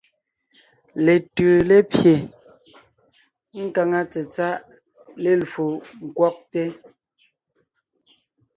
Letʉʉ lépye, nkáŋa tsetsáʼ lélwo ńkwɔgte.